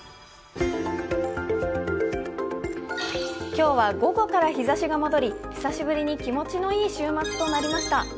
今日は午後から日ざしが戻り、久しぶりに気持ちのいい週末となりました。